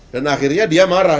dan akhirnya dia marah